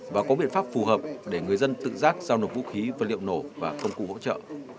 và có biện pháp phù hợp để người dân tự giác giao nộp vũ khí vật liệu nổ và công cụ hỗ trợ